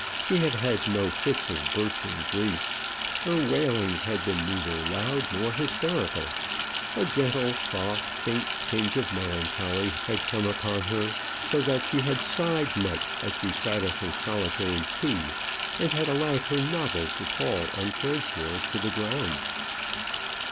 She had had no fits of bursting grief; her wailings had been neither loud nor hysterical. A gentle, soft, faint tinge of melancholy had come upon her; so that she had sighed much as she sat at her solitary tea, and had allowed her novel to fall uncared for to the ground.